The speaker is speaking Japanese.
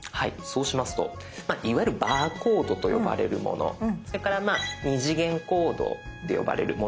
そうしますとまあいわゆるバーコードと呼ばれるものそれから二次元コードって呼ばれるものがあると思います。